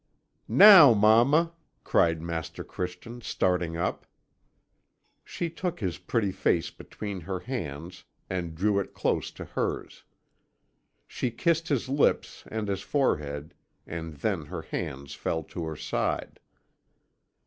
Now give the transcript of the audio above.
"'Now, mamma!' cried Master Christian, starting up. "She took his pretty face between her hands, and drew it close to hers. She kissed his lips and his forehead, and then her hands fell to her side.